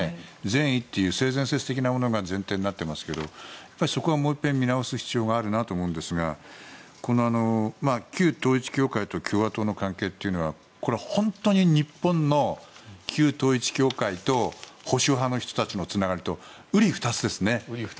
善意という性善説的なものが前提になっていますがそこはもう一遍見直す必要があるなと思うんですが旧統一教会と共和党の関係というのは本当に日本の旧統一教会と保守派の人たちのつながりと瓜二つですね。